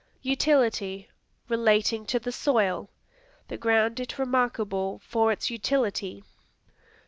Utility Relating to the soil; "The ground it remarkable for its utility."